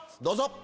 どうぞ！